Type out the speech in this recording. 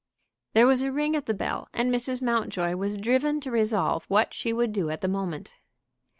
There was a ring at the bell, and Mrs. Mountjoy was driven to resolve what she would do at the moment.